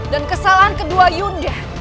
dan kesalahan kedua yunda